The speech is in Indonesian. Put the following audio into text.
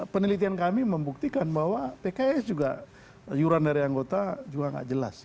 penelitian kami membuktikan bahwa pks juga yuran dari anggota juga nggak jelas